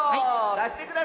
だしてください。